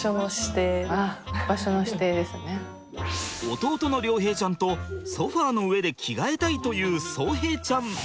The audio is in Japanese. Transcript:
弟の凌平ちゃんとソファーの上で着替えたいという颯平ちゃん。